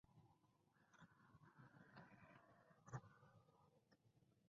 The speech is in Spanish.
Hoy día es la Sede de la Subdelegación del Gobierno.